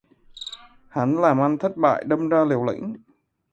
Hắn làm ăn thất bại, đâm ra liều lĩnh